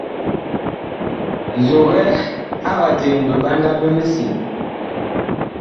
Nzogɛ ag diŋ biɓanda bi misiŋ́.